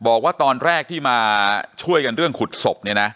บอกว่าตอนแรกที่มาช่วยกันเรื่องขุดศพเนี่ยนะ